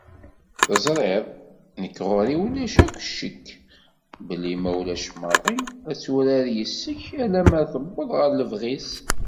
Teẓriḍ, nekk ɣur-i ulac akk ccekk belli ma ulac maḍi, ad turar yess-k alamma tewweḍ ɣer lebɣi-s.